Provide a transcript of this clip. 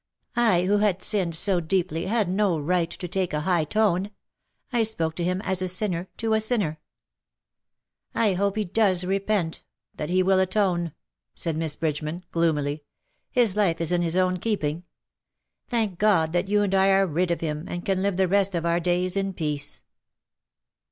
I who had sinned so deeply had no right to take a high tone. I spoke to him as a sinner to a sinner.^' " I hope he does repent — that he will atone/^ said Miss Bridgeman, gloomily. *^ His life is in his own keeping. Thank God that you and I are rid of him, and can live the rest of our days in peace."